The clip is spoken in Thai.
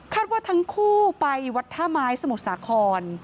ว่าทั้งคู่ไปวัดท่าไม้สมุทรสาคร